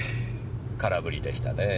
空振りでしたねぇ。